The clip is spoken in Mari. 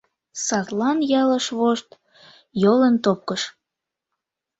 Садлан ялыш вошт йолын топкыш.